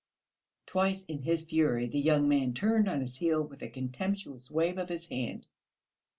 Twice in his fury the young man turned on his heel with a contemptuous wave of his hand.